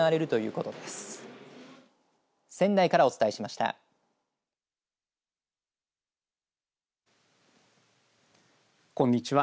こんにちは。